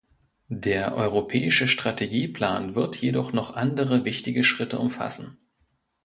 Der europäische Strategieplan wird jedoch noch andere wichtige Schritte umfassen.